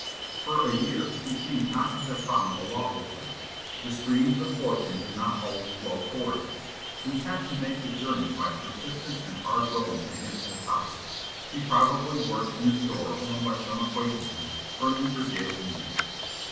For a year he seems not to have found a law opening; the streams of fortune do not always flow toward us we have to make the journey by persistent and hard rowing against the tide. He probably worked in a store owned by some acquaintances, earning for daily needs.